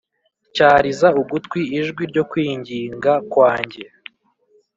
Tyariza ugutwi ijwi ryo kwinginga kwanjye